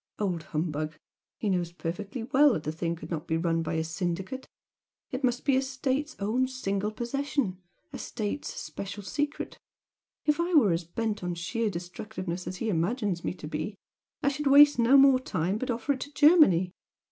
Old humbug! He knows perfectly well that the thing could not be run by a syndicate! It must be a State's own single possession a State's special secret. If I were as bent on sheer destructiveness as he imagines me to be, I should waste no more time, but offer it to Germany.